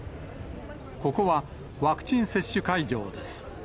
ここは、ワクチン接種会場です。